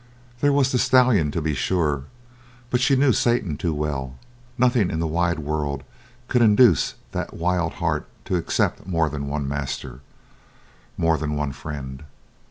There was the stallion, to be sure, but she knew Satan too well. Nothing in the wide world could induce that wild heart to accept more than one master more than one friend.